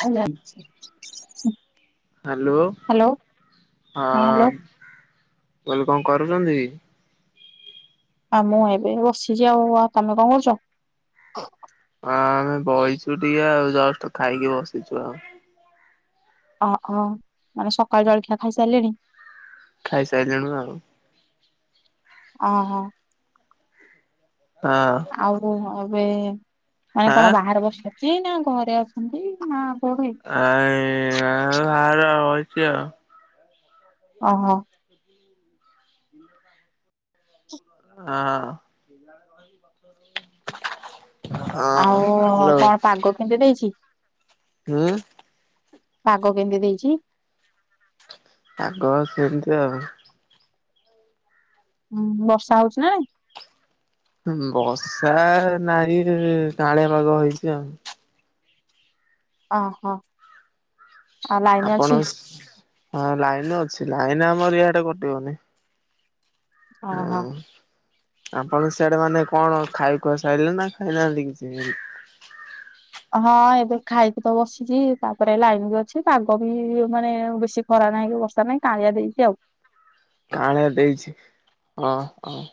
Hello hello hello ହଁ hello. ମୁଁ କହିଲି କଣ କରୁଛନ୍ତି? ଆଉ ମୁଁ ଏବେ ବସିଛି ଆଉ ତମେ କଣ କରୁଛ। ହଁ ଆମେ ବହିଛୁ ଟିକେ ଆଉ ଜଷ୍ଟ ଖାଇକି ବସିଛୁ ଆଉ। ଓହୋ ମାନେ ସକାଳ ଜଳଖିଆ ଖାଇସାରିଲେଣି। ଖାଇସାଇଲୁଣୁ ଆଉ। ଓହୋ। ହଁ। ଆଉ ଏବେ ମାନେ ଆଁ କଣ ବାହାରେ ବସିଲଛି ନା ଘରେ ଅଛନ୍ତି ନା କୋଉଠି। ଆ ଆ ବାହାରେ ବଇଚି ଆଉ। ଓହୋ। [inaudible] [inaudible] ହଁ। [unintelligible] ଆଉ ହ୍ୟାଲୋ କଣ ପାଗ କେମତି ଦେଇଛି? ହୁଁ। ପାଗ କେମିତି ଦେଇଛି। ଆଗ ସେମିତି ଆଉ। ହୁଁ ବର୍ଷା ହଉଛିି ନା ନାଇଁ? ବର୍ଷା ନାଇଁ କାଉଳିଆ ପାଗ ହେଇଛି ଆଉ। ଓହୋ। ଆଉ ଲାଇନ ଆପଣ ଅଛି ହଁ ଲାଇନ ଅଛି ଲାଇନ ଆମର ଇଆଡେ କଟିବନି। ଓହୋ। ହଁ ଆପଣ ସିଆଡେ ମାନେ କଣ ଖାଇକୁୁଆ ସାରିଲେ ନା ଖାଇନାହାନ୍ତି କିଛି। ହଁ ଏବେ ଖାଇକି ତ ବସିଛି ତାପରେ ଲାଇନ ବି ଅଛି ପାଗ ବି ମାନେ ବେଶୀ ଖରା ନାହିଁ କି ବଷା ନାହିଁ କାଉଳିଆ ଦେଇଛି ଆଉ। କାଉଳିଆ ଦେଇଛି ହଁ ହଉ।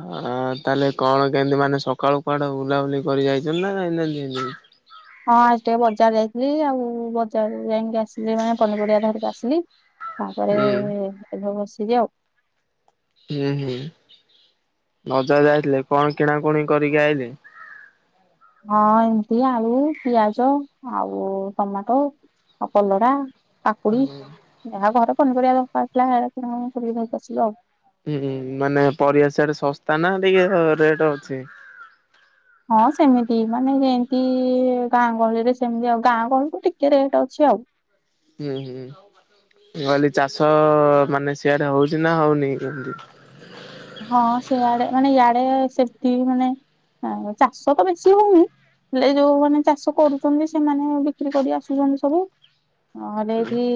ହଁ ତାହେଲେ କଣ କେମତି ମାନେ ସକାଳୁ କୁଆଡେ ବୁଲାବୁଲି କରି ଯାଇଛଛନ୍ତି ନା ଯାଇନାହାନ୍ତି ଆଜି। ହଁ ଆଜି ଟିକେ ବଜାର ଯାଇଥିଲି ଆଉ ବଜାର ଯାଇକି ଆସିଲି ମାନେ ପନିପରିବା ଧରିକି ଆସିଲି। ତାପରେ ହୁଁ ଏବେ ବସିଲି ଆଉ। ହୁଁ ହୁଁ ବଜାର ଯାଇଥିଲେ କଣ କିଣାକଣି କରିକି ଆଇଲେ। ହଁ ଏମିତି ଆଳୁ ପିଆଜ ଆଉ ଟମାଟୋ। ଆଉ କଲରା। କାକୁଡି ଯାହା ଘରେ ପନିପରିବା ଦରକାର ଥିଲା ସେଡା କିଣା କିଣି କରିକି ନେଇକି ଆସିଲୁ ଆଉ। ହୁଁ ହୁଁ ମାନେ ପରିବା ସେଆଡେ ଶସ୍ତା ନା ଟିକେ ରେଟ ଅଛି। ହଁ ସେମିତି ମାନେ ଯେମିତି ଗାଁ ଗହଳିରେ ସେମିତି ଆଉ ଗାଁ ଗହଳିଠୁ ଟିକେ ରେଟ୍ ଅଛି ଆଉ। ହୁଁ ହୁଁ କହିଲି ଚାଷ ମାନେ ସିଆଡେ ହଉଛି ନା ହଉନି ଏମିତି। ହଁ ସେଆଡେ ମାନେ ଇଆଡେ ସେମିତି ମାନେ ଚାଷ ତ ବେଶି ହଉନି। ହେଲେ ଯୋଉମାନୋନ ଚାଷ କରୁଛନ୍ତି ସେମାନେ ବିକ୍ରି କରି ଆସୁଛନ୍ତି ସବୁ। ହଁ ନେଇକି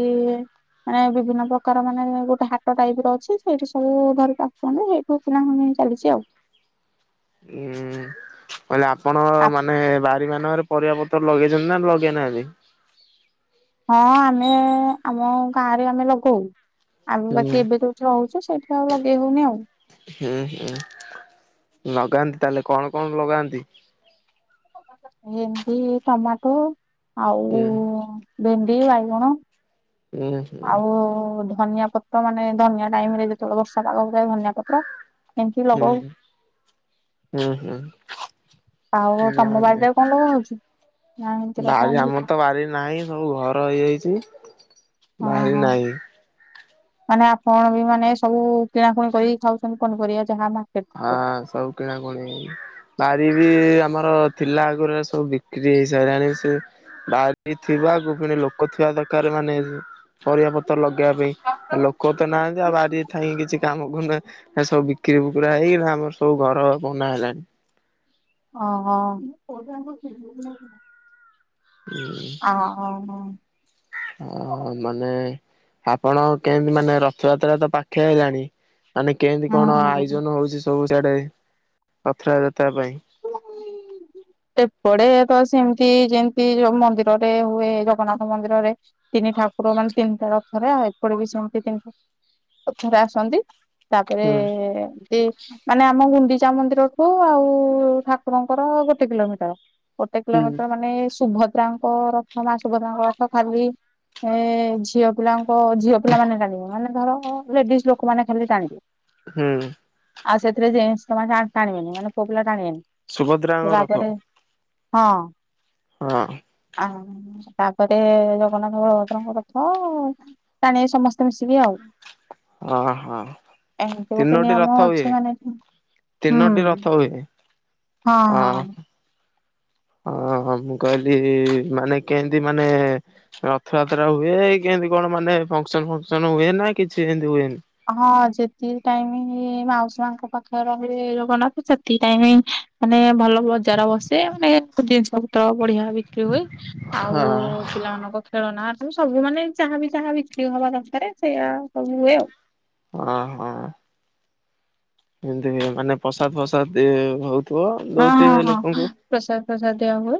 ମାନେ ବିଭିନ୍ନ ପ୍ରକାର ମାନେ ଗୋଟେ ହାଟ ଟାଇପ ର ଅଛି ସେଇଠି ସବୁ ଧରି [unintelligible] ଚାଲିଛି ଆଉ ହୁଁ କହିଲେ ଆପଣ ଆ ମାନେ ବାରି ମାନଙ୍କରେ ପରିବା ପର୍ତ୍ ଲଗେଇଛନ୍ତି ନା ଲଗେଇନାହାନ୍ତି। ହଁ ଆମେ ଆମ ଗାଁରେ ଆମେ ଲଗଉ ଆମ ହୁଁ ବାକି ଏବେ ତ ରହୁଛୁ ସେଇଠି ଆଉ ଲଗେଇ ହଉନି ଆଉ। ହୁଁ ହୁଁ ଲଗାନ୍ତି ତାହେଲେ କଣ କଣ ଲଗାନ୍ତି। ଭେଣ୍ଡି ଟମାଟୋ ଆଉ ହୁଁ ଭେଣ୍ଡି ବାଇଗଣ। ଉଁ [inaudible] ଆଉ ଧନିଆ ପତ୍ର ମାନେ ଧନିଆ ଟାଇମ ରେ ଯେତେବେଳେ ବର୍ଷା ପାଗ ହୁଏ ଧନିଆ ପତ୍ର। ଏମତି ଲଗଉ। ହୁଁ। ହୁଁ ହୁଁ ଆଉ ତମ ବାଡିରେ [unintelligible] କଣ ଲଗା ହଉଛି ନା ଏମିତି ଲଗା ବାରି ହଉନି? ଆମର ତ ବାରି ନାହିଁ ସବୁ ଘର ହେଇଯାଇଛି ହଁ ବାହାରି ହଁ। ନାହିଁ। ମାନେ ଆପଣ ବି ମାନେ ସବୁ କିଣାକୁଣି କରି ଖାଉଛନ୍ତି ପନିପରିବା ଯାହା ମା ହଁ ସବୁ କିଣାକୁଣି। ବାରି ବି ଆମର ଥିଲା ଆଗରୁ ସବୁ ବିକ୍ରି ହେଇସାରିଲାଣି ସେ ବାରି। ଏଇ ଥିବାକୁ ପୁଣି ଲୋକ ଥିବା ଦରକାର ମାନେ ପରିବା ପତ୍ର ଲଗ ପାଇଁ ଆଉ ଲୋକ ତ ନାହାନ୍ତି ଆଉ ବାରିରେ ଥାଇ କିଛି କାମ କରୁନା ସବୁ ବିକ୍ରି ପୁରା ହେଇଗଲା ଆମର ସବୁ ଘର ପୁଉନା ହେଲାଣି। ଓ ହଁ ହୁଁ ହଁ ହଁ ହ ମାନେ ଆପଣ କେମିତି ମାନେ ରଥଯାତ୍ରା ତ ପାଖେଇ ଆଇଲାଣି। ମାନେ କେମିତି ଅ କଣ ହଁ। ଆୟୋଜନ ହଉଛି ସବୁ ସିଆଡେ ରଥ ଯାତ୍ରା ପାଇଁ ହୁଁ ଏପଡେ ତ ସେମିତି ଯେମିତି ଯୋଉ ମନ୍ଦିରରେ ହୁଏ ଜଗନ୍ନାଥ ମନ୍ଦିରରେ ତିନି ଠାକୁର ମାନେ ତିନିଟା ରଥରେ ଆଉ ଏପଟେ ବି ସେମତି ତିନିଟା ରଥରେ ଆସନ୍ତି। ତାପରେ ହୁଁ ଏମତି ମାନେ ଆମ ଗୁଣ୍ଡିଚା ମନ୍ଦିରକୁ ଆଉ ଠା କୁରଙ୍କର ଗୋଟେ କିଲୋମିଟର ଗୋଟେ ହୁଁ କିଲୋମିଟର ମାନେ ଶୁଭ ରାଙ୍କ ରଥ ମା ସୁଭଦାଙ୍କ ରଥ ଖାଲି। ଏ ଝିଅ ପିଲାଙ୍କ ଝିଅ ପିଲାମାନେ ଟାଣିବେ ମାନେ ଧର ଲେଡିସ ଲୋକମାନେ ଖାଲି ଟାଣିବେ। ହୁଁ ଆଉ ସେଥିରେ ଜେନେଷ ତ ମାନେ ଟାଣିବନି ମାନେ ପୁଅପିଲା ଟାଣିବନି। ସୁଭଦ୍ରାଙ୍କ ରଥ ରାଗଡେ ହଁ। ହଁ ଆ ତାପରେ ଜଗନ୍ନାଥ [unintelligible] ରଥ ଟାଣିବେ ସମସ୍ତେ ମିଶିକି ଆଉ। ଓ ହୋ ଏମିତି ଗୋଟେ ତିନୋଟି ନିୟମ ରଥ ଅଛି ହୁଏ। ମାନେ ହୁଁ ତିନୋଟି ରଥ ହୁଏ। ହଁ ହଁ। ହଁ ମୁଁ କହିଲି ମାନେ କେମତି ମାନେ। ରଥଯାତ୍ରା ହୁଏ କେମିତି କଣ ମାନେ ଫଙ୍କସନ ଫଙ୍କସନ ହୁଏ ନା କିଛି ଏମିତି ହୁଏନି। ହଁ ଯେତିକି ଟାଇମ ମାଉସୀ ମାଙ୍କ ପାଖରେ ରହିବେ ଜଗନାଥ ସେତିକି ଟାଇମ ମାନେ ଭଲ ବସେ ମାନେ ଜିନିଷ ପତ୍ର ବଢିଆ ବିକ୍ରି ହୁଏ ହଁ ଆଉ ପିଲାମାନଙ୍କ। ଖେଳନା ଆ ତ ସବୁ ମାନେ ଯାହାବି ଯାହା ବିକ୍ରି ହବା ଦରକାର ସେଇୟା ସବୁ ହୁଏ ଆଉ। ଓ ହଁ ଏମତି ମାନେ ପ୍ରସାଦ ଫସାଦ ବହୁତ। ହଁ ହଁ ହଁ ପ୍ରସାଦ ଫସାଦ ଦିଆ ହୁଏ।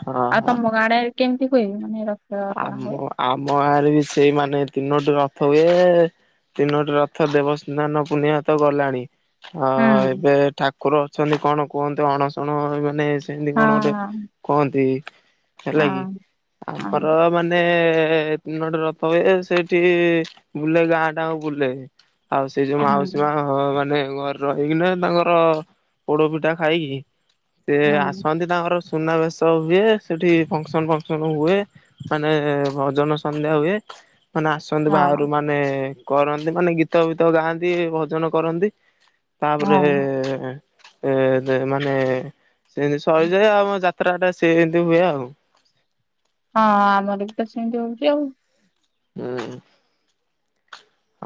ହଁ ଆଉ ହଁ ତମ ଗାଁ ଆଡେ କେମିତି ହୁଏ ମାନେ ରଥ। ଟଣା ହୁଏ? ଆମ ଆମ ଗାଁରେ ବି ସେଇମାନେ ତିନୋଟି ରଥ ହୁଏ। ତିନୋଟି ରଥ ଦେବସ୍ନାନ ପୂର୍ଣ୍ଣିମା ତ ଗଲାଣି। ହଁ ହୁଁ ଏବେ ଠାକୁର ଅଛନ୍ତି କଣ କୁହନ୍ତି ଅଣସଣ ମାନେ ସେମିତି ହଁ କଣ ଗୋଟେ କହନ୍ତି ହେଲା କି। ହଁ ହଁ ର ମାନେ ତିନୋଟି ରଥ ହୁଏ ସେଇଠି ବୁଲେ ଗାଆଁଟା ଆଙ୍କ ବୁଲେ। ଆଉ ସେ ଯୋଉ ହଁ ମାଉସୀ ହୁଁ ମା- ହଁ ମାନେ ଘରେ ରହିକିନା ତାଙ୍କର ପୋଡ ପିଠା ଖାଇକି ସେ ହୁଁ ଆସନ୍ତି ତାଙ୍କର ସୁନାବେଶ ହୁଏ, ସେଠି ଫଙ୍କସନ ଫଙ୍କସନ ହୁଏ। ମାନେ ଭଜନ ସନ୍ଧ୍ୟା ହୁଏ, ମାନେ ଆସନ୍ତି ହଁ ବାହାରୁ ମା ମାନେ କରନ୍ତି ମାନେ ଗୀତ ଫିତ ଗାଆନ୍ତି ଭଜନ କରନ୍ତି। ତାପରେ ହଁ ମାନେ ସେମିତି ହଁ ସରିଯାଏ ଆମେ ପତ୍ରା ଟା ସେମିତି ହୁଏ ଆଉ। ହଁ ଆମର ବି ତ ସେମିତି ହଉଛି ଆଉ। ହୁଁ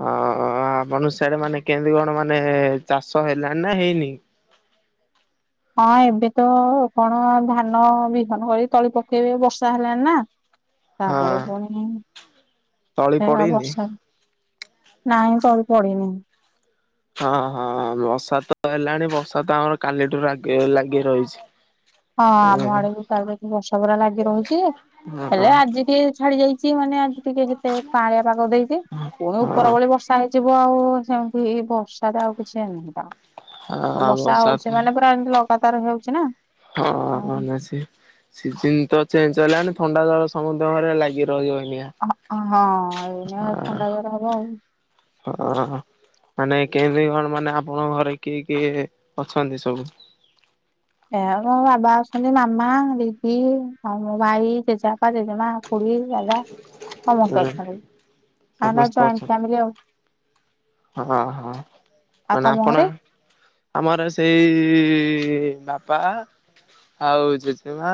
ଆ ଆ ମନଷ୍ୟ ଆଡେ ମାନେ କେମତି କଣ ମାନେ ଚାଷ ହେଲାଣି ନା ହେଇନି? ହଁ ଏବେ ତ କଣ ଧାନ ବିହନ କରି ତଳି ପକେଇବେ ବର୍ଷା ହେଲାଣି ନା। ହଁ ତାପରେ ପୁଣି ତଳି ହେ ପଡିନି? ବର୍ଷା ନାଇଁ ତଳେ ପଡିନି। ହଁ ହଁ ବର୍ଷା ତ ହେଲାଣି ବର୍ଷା ତ ଆମର କାଲିଠୁ ଲାଗି ଲାଗି ରହିଚି। ହଁ ଆମ ଆଡେ ବି ବହୁତ ବର୍ଷା ଲାଗିରହିଛି ହଁ ହେଲେ ଆଜି ଟିକେ ଛାଡ଼ି ଯାଇଛି। ମାନେ ଆଜି ଟିକେ ଯେତେ କାଆଁଲିଆ ପାଗ ଦେଇଚି, ପୁଣି ଉପ ପରବଳି ବର୍ଷା ହେଇଯିବ ଆଉ ସେମିତି ବର୍ଷାଟ ଆଉ କିଛି ଏନାହିଁ ତାଉ। ବର୍ଷା ହଉଛି ମାନେ ପୁରା ଏମିତି ଲଗାତାର ହଉଚି ନା। ହଁ ବେଶୀ ସିଜିିନ ତ ଚେଞ୍ଜ ହେଲାଣି ଥଣ୍ଡା ଜର ସମତଙ୍କ ଘରେ ଲାଗି ରହିବ ଏଇନା। ହଁ ହଁ ଏଇନା ଥଣ୍ଡା ଜର ହବ ଆଉ। ହଁ। ମାନେ କେମିତି କଣ ମାନେ ଆପଣଙ୍କ ଘରେ କିଏ କିଏ ଅଛନ୍ତି ସବୁ? ଏ ମୋ ବାବା ଅଛନ୍ତି ମାମା, ଦିଦି ଆଉ ମୋ ଭାଇ, ଜେଜେବାପା, ଜେଜେମା ଖୁଡୀ, ଦାଦା ସମସ୍ତେ ହୁଁ ଅଛନ୍ତି, ଆମର ସମସ୍ତେ ଜଏଣ୍ଟ ଅଛନ୍ତି ଫ୍ୟାମିଲୀ ଆଉ। ହଁ ହଁ ଆଉ ମାନେ ତମ ଆପଣ ଘରେ ଆମର ସେଇ ଇ ବାପା ଆଉ ଜେଜେ ମାଆ,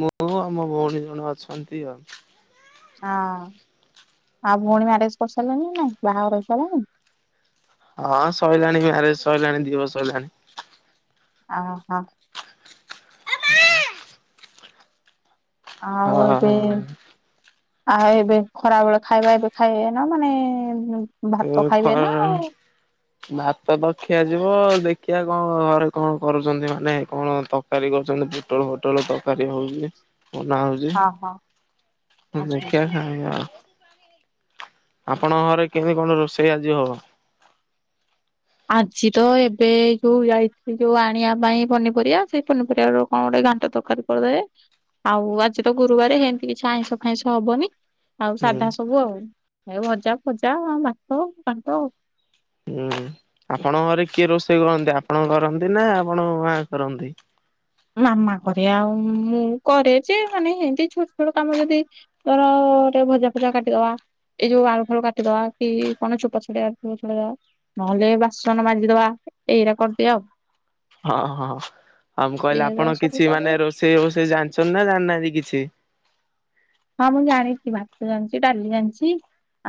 ମୁଁ ଆଉ ମୋ ଭଉଣୀ ଜଣେ ଅଛନ୍ତି ଆଉ। ହଁ ଆଉ ଭଉଣୀ ମ୍ୟାରେଜ କରିସାରିଲାଣି ନା ବାହାଘର ହେଇସାରିଲାଣି? ହଁ ସରିଲାଣି ମ୍ୟାରେଜ ସରିଲାଣି ଦିଇ ବର୍ଷ ହେଲାଣି। ଅ ହଁ। ଏ ମା। ଆଉ ହଁ। ଏବେ ହଁ ଆଉ ଏବେ ଖରା ବେଳେ ଖାଇବା ଏବେ ଖାଇବେ ନା ମାନେ ଏ ଭାତ ଖାଇବେ ଖରା ନା ଭାତ ତ ଖିଆ ଯିବ ଦେଖିଆ କଣ ଘରେ କଣ କରୁଛନ୍ତି ମାନେ କଣ ତ ତରକାରୀ କରୁଛନ୍ତି ପୋଟଳ ଫୋଟଳ ତରକାରୀ ହଉଛି। ବନା ହଉଚି ଓହୋ ଆଚ୍ଛା ଦେଖିଆ ଆଚ୍ଛା ଖାଇଆ ଆଉ। ଆପଣଙ୍କ ଘରେ କେମିତି କଣ ରୋଷେଇ ଆଜି ହବ? ଆଜି ତ ଏବେ ଯୋଉ ଯାଇଛିି ଯୋଉ ଆଣିବା ପାଇଁ ପନିପରିବା ସେଇ ପନିପରିବା ର କଣ ଗୋଟେ ଘାଣ୍ଟ ତରକାରୀ କରିଦେବେ ଆଉ ଆଜି, ତ ଗୁରୁବାର ହେମତି କିଛି ଆଇଁଷ ଫାଇଁଷ ହବନି। ଆଉ ହୁଁ ସାଧା ସବୁ ଆଉ ଭଜ ଫଜା, ଭାତ ଫାତ। ହୁଁ ଆପଣଙ୍କ ଘରେ କିଏ ରୋଷେଇ କରନ୍ତି, ଆପଣ କରନ୍ତି ନା ଆପଣଙ୍କ ମା କରନ୍ତି? ମାମା କରେ ଆଉ ମୁଁ କରେ ଯେ ମାନେ ହେନ୍ତି ଛୋଟ ଛୋଟ କାମ ଯଦି ଧର ଟିକେ ଭଜା ଫଜା କାଟିଦବା। ଏଇ ଯୋଉ ଆଳୁ ଫାଳୁ କାଟିଦବା କି କଣ ଚୋପା ଛଡ଼ାଇବାର ଥିବ ଛଡେଇ ଦବା। ନହେଲେ ବାସନ ମାଜିଦବା, ଏଇରା କରିଦିଏ ଆଉ। ହଁ ହଁ। ଆଉ ମୁଁ କହିଲି ସିଏ ଆପଣ ସବୁ କିଛି କରେ। ମାନେ ରୋଷେଇ ଫୋସେଇ ଜାଣିଛନ୍ତି ନା ଜାଣିନାହାଁନ୍ତି କିଛି? ହଁ ମୁଁ ଜାଣିଛି, ଭାତ ଜାଣିଛି, ଡାଲି ଜାଣିଛି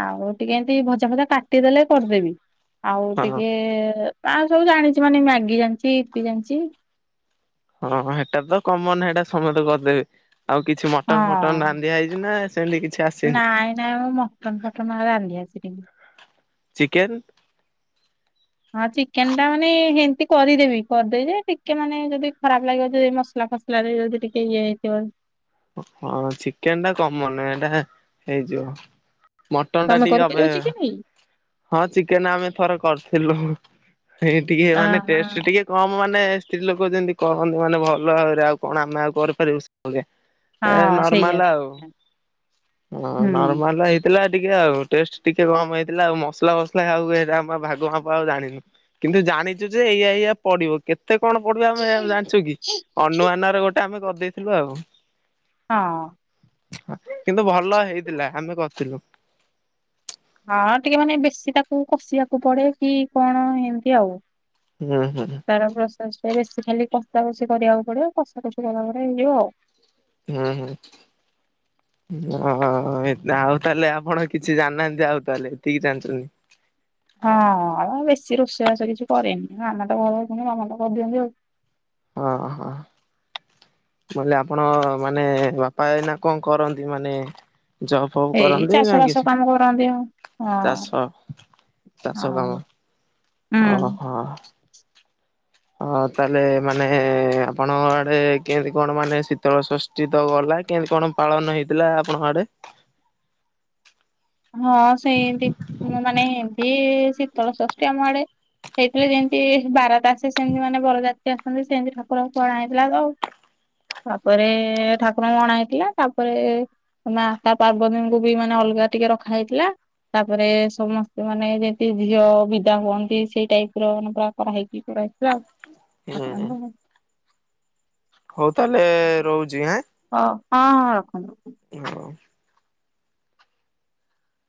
ଆଉ ଟିକେ ଏମତି ଭଜା ଫଜା କାଟିଦେଲେ କରିଦେବି। ଆଉ ହଁ ଟିକେ ଆଉ ସବୁ ଜାଣିଛି ମାନେ ମ୍ୟାଗି ଜାଣିଛି, ଇପି ଜାଣିଛି ହଁ ହେଟା ତ କମନ ହେଟା ସମେତେ କରିଦେବେ, ଆଉ କିଛି ମଟନ ଫଟନ ହଁ ରାନ୍ଧି ଆଇଚୁ ନା ସେମତି କିଛି‌ ଆସ ନାଇଁ ନାଇଁ, ମୁଁ ମଟନ ଫଟନ ରାନ୍ଧି ଆସିନି। ଚିକେନ୍? ହଁ ଚିକେନଟା ମାନେ ହେନ୍ତି କରିଦେବି, କରିଦେବି ଯେ ଟିକେ ମାନେ ଯଦି ଖରାପ ଲାଗିବ ଯଦି ମସଲା ଫସଲା ଫସଲାରେ ଯଦି ଟିକେ ଇଏ ହେଇଥିବ ହଁ ଚିକେନଟା କମନ ଏଇଟା ହେଇଯିବ। ମଟନଟା ତମେ ଟିକେ ଅବେ କରିପାରିବ ଚିକେନ ହଁ ଚିକେନ୍ ଆମେ ଥରେ କରିଥିଲୁ। ଏହି ଟିକେ ଅ ମାନେ ହଁ ଟେଷ୍ଟ ଟିକେ କମ ମାନେ ସ୍ତ୍ରୀ ଲୋକ ଯେମିତି କରନ୍ତି ମାନେ ଭଲ ଭାବରେ ଆଉ କଣ ଆମେ ଆଉ କରିପାରିବୁ ସେଭଳିଆ। ଏ ହଁ ସେଇଆ ନର୍ମାଲ ଆଉ। ହଁ ହୁଁ ନର୍ମାଲ ହେଇ ଥିଲା ଟିକେ ଆଉ। ଟେଷ୍ଟ ଟିକେ କମ ହେଇଥିଲା ଆଉ ମସଲା ଫସଲା ଖାଉ ହେରା ଆମ ଭାଗ ମାପ ଆଉ ଜାଣିନୁ। କିନ୍ତୁ ଜାଣିଚୁ ଯେ ଏଇଆ ଏଇଆ ପଡିବ, କେତ୍ ତେ କଣ ପଡିବ ଆମେ ଆଉ ଜା-ଜାଣିଛୁ କି, ଅନୁମାନରେ ଗୋଟେ ଆମେ କରିଦେଇଥିଲୁ ଆଉ। ହଁ। କିନ୍ତୁ ଭଲ ହେଇଥିଲା ଆମେ କରିଥିଲୁ। ହଁ ଟିକେ ମାନେ ବେଶୀ ତାକୁ କଷିବାକୁ ପଡେ କି କଣ ଏମତି ଆଉ। ହୁଁ ହୁଁ। ତାର ପ୍ରୋସେସରେ ବେଶୀ ଖାଲି କଷା କଷି କରିବାକୁ ପଡିବ, କଷା କଷି କଲା ପରେ ହେଇଯିବ ଆଉ। ହୁଁ ହୁଁ। ହ ହୋ ହୋ। ଆଉ ତାହେଲେ ଆପଣ କିଛି ଜାଣିନାହାଁନ୍ତି ଆଉ ତାହେଲେ ଏତିକି ଜାଣିଚନ୍ତି। ହଁ ଆଉ ବେଶୀ ରୋଷେଇବାସ କିଛି କରେନି, ମାମା ତ ଘରେ ଅଛନ୍ତି କାମ ତ କରିଦିଅନ୍ତି ଆଉ। ଓହୋ। ମୁଁ କହିଲି ଆପଣ ମାନେ ବାପା ଏଇନା କଣ କରନ୍ତି ମାନେ ଜବ ଫବ୍ ଏଇ କରନ୍ତିି ଚାଷ ନା ବାସ କିଛି କାମ କରନ୍ତି ଆଉ ହଁ ଚାଷ? ଚାଷ କାମ ଆଉ ହୁଁ। ଓହୋ‌। ହଁ ତାହେଲେ ମାନେ ଆପଣଙ୍କ ଆଡେ କେମିତି କଣ ମାନେ ଶୀତଳ ଷଷ୍ ଷଷ୍ଠୀ ତ ଗଲା, କେମତି କଣ ପାଳନ ହେଇଥିଲା ଆପଣଙ୍କ ଆଡେ? ହଁ ସେମତି, ମାନେ ଏମତି ଶୀ ଶୀତଳ ଷଷ୍ଠୀ ଆମ ଆଡେ, ହେଇଥିଲେ ଯେମତି ବାରାତ୍ ଆସେ ସେମତି ମାନେ ବରଯା ଯାତ୍ରୀ ଆସନ୍ତି ସେମତି ଠାକୁରଙ୍କୁ ଅଣା ହେଇଥିଲା ତ ଆଉ। ତାପରେ ଠାକୁରଙ୍କୁ ଅଣା ହେଇଥିଲା, ତାପରେ ମାତା ପାର୍ବତୀଙ୍କୁ ବି ମାନେ ଅଲଗା ଟିକେ ରଖା ହେଇଥିଲା। ତାପରେ ସମସ୍ତେ ମାନେ ଯେମତି ଝିଅ ବିଦା ହୁଅନ୍ତି, ସେଇ ଟାଇପର ମାନେ ପୁରା କରାହେଇକି ପୁରା ହୁଁ [unintelligible] ହଉ ତାହେଲେ ରହୁଛି ଆଁ? ହଉ ହଁ ହଁ ରଖନ୍ତୁ। [unintelligible]